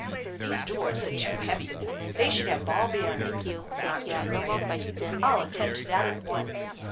"These doors are too heavy. They should have ball bearings," remarked young Graham. " I'll attend to that at once.